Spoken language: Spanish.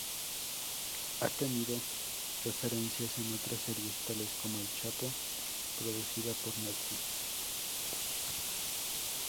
Ha tenido referencias en otras series, tales como "El Chapo" producida por Netflix.